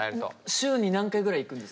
週に何回ぐらい行くんですか？